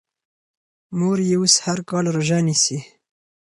مور یې اوس هر کال روژه نیسي.